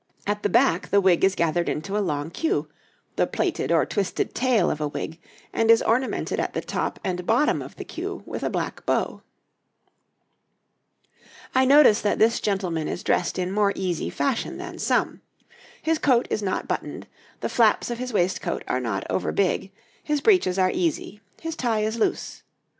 At the back the wig is gathered into a long queue, the plaited or twisted tail of a wig, and is ornamented at the top and bottom of the queue with a black bow. [Illustration: {Ramillies wig; Black Steenkirk; a hat for men}] I notice that this gentleman is dressed in more easy fashion than some. His coat is not buttoned, the flaps of his waistcoat are not over big, his breeches are easy, his tie is loose.